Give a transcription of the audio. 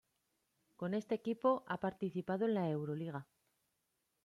Con este equipo ha participado en la Euroliga.